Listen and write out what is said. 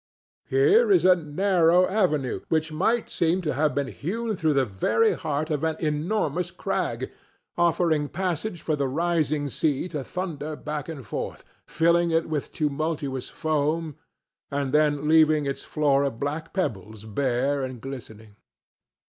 Here is a narrow avenue which might seem to have been hewn through the very heart of an enormous crag, affording passage for the rising sea to thunder back and forth, filling it with tumultuous foam and then leaving its floor of black pebbles bare and glistening.